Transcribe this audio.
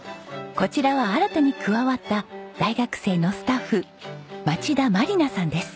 こちらは新たに加わった大学生のスタッフ町田茉里奈さんです。